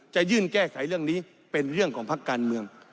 จะยื่นแก้ไขเรื่องนี้เป็นเรื่องของพักการเมือง